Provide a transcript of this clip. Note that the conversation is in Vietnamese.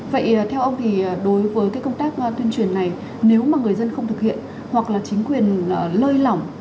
vậy theo ông thì đối với cái công tác tuyên truyền này nếu mà người dân không thực hiện hoặc là chính quyền lơi lỏng